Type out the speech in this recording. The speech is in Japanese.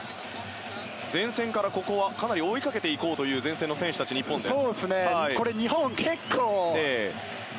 前線からここはかなり追いかけていこうという前線の選手たち、日本です。